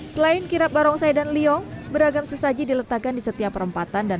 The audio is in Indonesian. selain kirap barongsai dan liong beragam sesaji diletakkan di setiap perempatan dan